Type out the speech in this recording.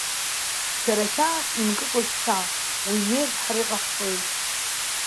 Шәара, хьаас имкыкәа шәца, уи неиртә ҳара иҟаҳҵоит!